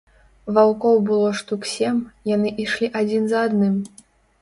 Ваўкоў было штук сем, яны ішлі адзін за адным.